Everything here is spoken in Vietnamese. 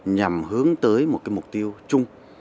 nhằm hướng tới một cái mục tiêu chung